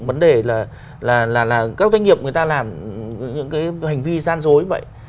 vấn đề là các doanh nghiệp người ta làm những cái hành vi gian dối vậy